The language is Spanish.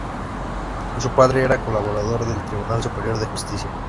Su padre era colaborador del Tribunal Superior de Justicia.